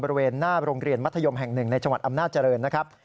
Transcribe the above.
บริเวณหน้าโรงเรียนมัธยมแห่งหนึ่งในจังหวัดอำนาจเจริญนะครับ